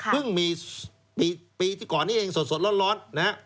เพิ่งมีปีที่ก่อนนี่เองสดร้อน